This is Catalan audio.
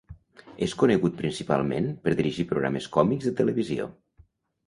És conegut principalment per dirigir programes còmics de televisió.